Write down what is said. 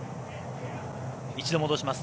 一度戻します。